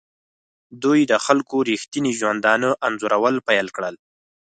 دوی د خلکو ریښتیني ژوندانه انځورول پیل کړل.